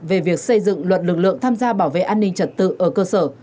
về việc xây dựng luật lực lượng tham gia bảo vệ an ninh trật tự ở cơ sở